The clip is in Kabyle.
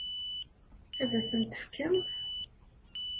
Ad asen-t-tefkem?